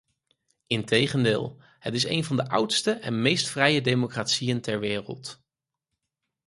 Integendeel, het is een van de oudste en meest vrije democratieën ter wereld.